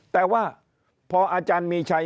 แต่ว่าพออาจารย์มีชัย